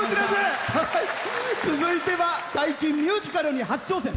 続いては最近ミュージカルに初挑戦。